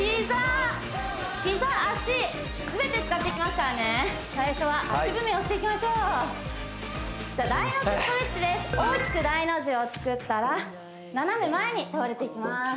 膝膝脚全て使っていきますからね最初は足踏みをしていきましょうじゃあ大の字ストレッチです大きく大の字を作ったら斜め前に倒れていきます